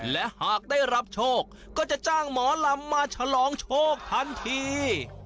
และหากได้รับโชคก็จะจ้างหมอลำมาฉลองโชคทันที